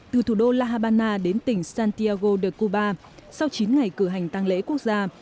từ thủ đô la habana đến tỉnh santiago de cuba sau chín ngày cử hành tăng lễ quốc gia